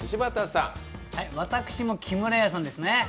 私も木村屋さんですね。